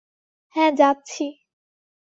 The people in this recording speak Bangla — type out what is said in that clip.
হ্যাঁ, যাচ্ছি।